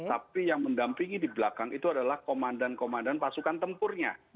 tapi yang mendampingi di belakang itu adalah komandan komandan pasukan tempurnya